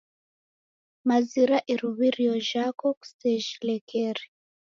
Mazira irumirio jhako, kusejhilekere